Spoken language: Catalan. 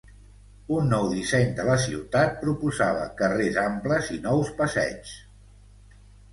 Un nou disseny de la ciutat proposava carrers amples i nous passeigs.